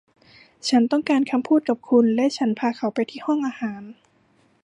ฉันต้องการคำพูดกับคุณ และฉันพาเขาไปที่ห้องอาหาร